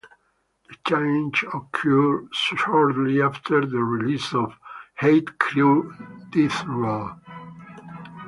The change occurred shortly after the release of "Hate Crew Deathroll".